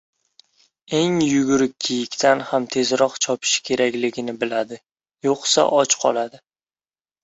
Eng yugurik kiyikdan ham tezroq chopishi kerakligini biladi, yoʻqsa, och qoladi.